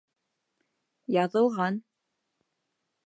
Яҙылған...